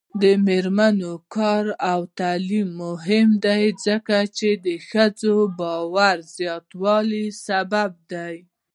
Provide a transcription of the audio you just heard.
د میرمنو کار او تعلیم مهم دی ځکه چې ښځو باور زیاتولو سبب دی.